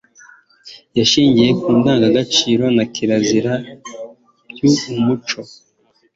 yashingiye ku ndangagaciro na kirazira by umuco